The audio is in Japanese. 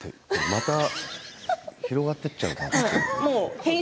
また広がっていっちゃうのかな？